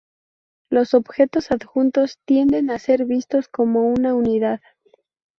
Los objetos adjuntos tienden a ser vistos como una unidad.